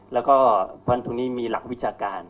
แล้วก็เพราะฉะนั้นตรงนี้มีหลักวิชาการ